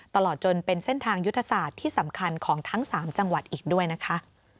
ตลอดจนเป็นเส้นทางยุทธศาสตร์ที่สำคัญของทั้ง๓จังหวัดอีกด้วยนะคะ